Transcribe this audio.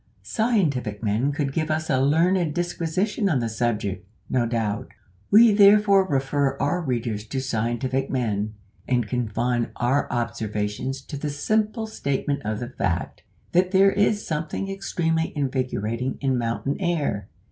Scientific men could give us a learned disquisition on the subject, no doubt; we therefore refer our readers to scientific men, and confine our observations to the simple statement of the fact, that there is something extremely invigorating in mountain air.